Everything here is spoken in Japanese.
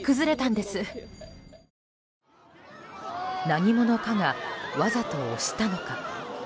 何者かが、わざと押したのか？